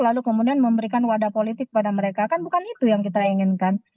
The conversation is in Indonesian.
lalu kemudian memberikan wadah politik pada mereka kan bukan itu yang kita inginkan